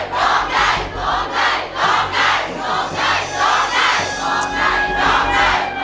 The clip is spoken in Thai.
ซูซูค่ะร้องได้